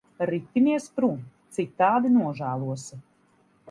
Ripinies prom, citādi nožēlosi.